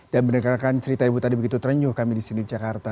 dan mendengarkan cerita ibu tadi begitu terenyuh kami di sini di jakarta